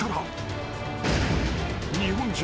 ［日本中。